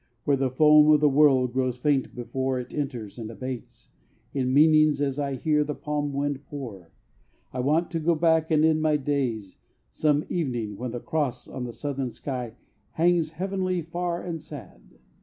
Where the foam of the world grows faint before It enters, and abates In meaning as I hear the palm wind pour. I want to go back and end my days Some evening when the Cross On the southern sky hangs heavily far and sad.